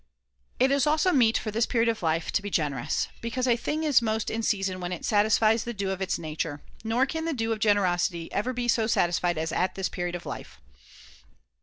It is also meet for this period of life to be m. 368 THE CONVIVIO Ch. liberality generous ; because a thing is most in season when it most satisfies the due of its nature ; nor can the due of generosity ever be so satisfied as at this period of life.